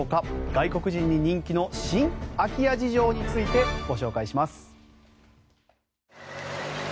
外国人に人気の新空き家事情についてご紹介します。